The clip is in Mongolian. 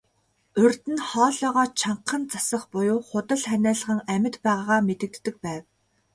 Урьд нь хоолойгоо чангахан засах буюу худал ханиалган амьд байгаагаа мэдэгддэг байв.